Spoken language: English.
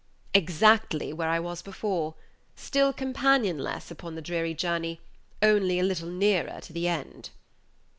Exactly where I was before still companion less upon the dreary journey, only a little nearer to the end."